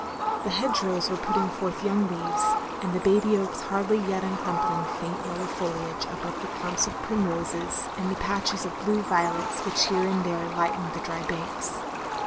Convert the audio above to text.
The hedge rows were putting forth young leaves, and the baby oaks hardly yet uncnun pling faint yellow foliage, above the clumps of primroses and the patches of blue violets which here and there lightened the dry banks.